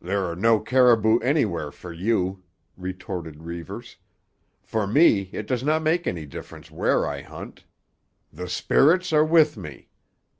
"There are no caribou anywhere for you," retorted Reivers. "For me it does not make any difference where I hunt; the spirits are with me.